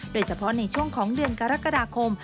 โดยเฉพาะในช่วงของเดือนกรกฎาคม